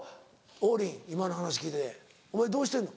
王林今の話聞いてお前どうしてんの？